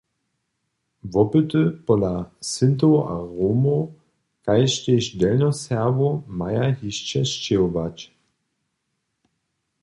Wopyty pola Sintow a Romow kaž tež Delnjoserbow maja hišće sćěhować.